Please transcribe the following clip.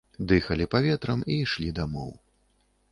Дыхалі паветрам і ішлі дамоў.